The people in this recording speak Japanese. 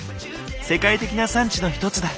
世界的な産地の一つだ。